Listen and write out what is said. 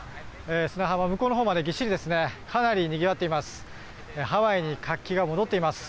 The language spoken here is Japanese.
砂浜も向こうのほうまでびっしりかなりにぎわっています。